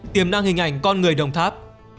tiềm năng hình ảnh con người đồng tháp